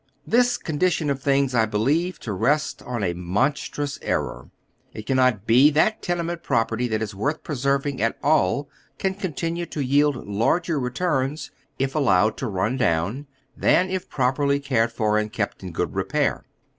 This condition of things I believe to rest oc a mon strous error. It cannot be that tenement property that is worth preserving at all can continue to yield larger returns, if allowed to run down, than if properly cared for and kept in good i epair.